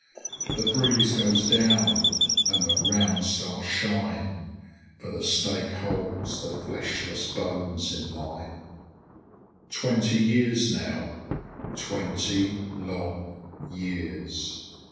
The breeze goes down, and the round stars shine, for the stake holds the fleshless bones in line. Twenty years now! Twenty long years!